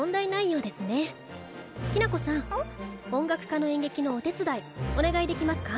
音楽科の演劇のお手伝いお願いできますか？